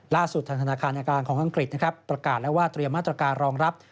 ล่าสุดทางธนาคารกลางของอังกฤษประกาศแล้วว่าเตรียมมาตรการรองรับ